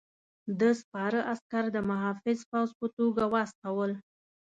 ده سپاره عسکر د محافظ پوځ په توګه واستول.